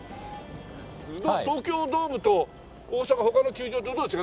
東京ドームと大阪他の球場とどう違う？